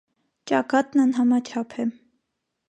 Ճակատն անհամաչափ է։